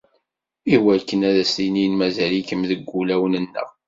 Iwakken ad as-inin mazal-ikem deg wulawen-nneɣ.